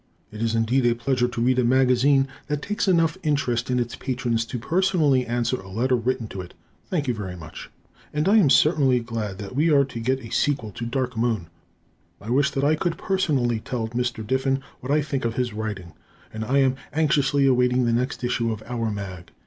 It is indeed a pleasure to read a magazine that takes enough interest in its patrons to personally answer a letter written to it. Thank you very much. And I am certainly glad that we are to get a sequel to "Dark Moon." I wish that I could personally tell Mr. Diffin what I think of his writing. I am anxiously awaiting the next issue of "our mag."